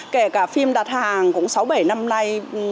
kể cả phim đặt hàng cũng sáu bảy năm nay